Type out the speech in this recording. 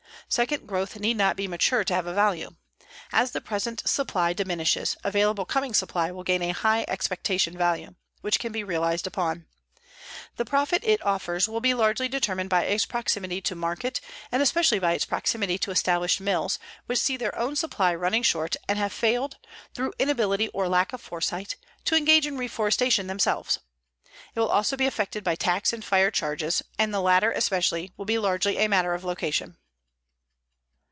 Second growth need not be mature to have a value. As the present supply diminishes, available coming supply will gain a high expectation value which can be realized upon. The profit it offers will be largely determined by its proximity to market and especially by its proximity to established mills which see their own supply running short and have failed, through inability or lack of foresight, to engage in reforestation themselves. It will also be affected by tax and fire charges, and the latter, especially, will be largely a matter of location.